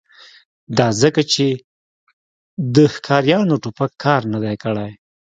دا ځکه چې د ښکاریانو ټوپک کار نه دی کړی